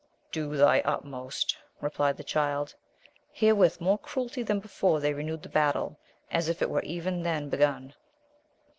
Do thy utmost ! replied the Child. Herewith more cruelly than before they re newed the battle, as if it were even then begun.